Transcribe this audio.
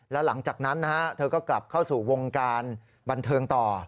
แล้วหลังจากนั้นนะฮะเธอก็กลับเข้าสู่วงการบันเทิงต่อ